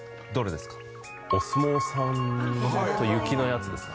お相撲さんと雪のやつですかね。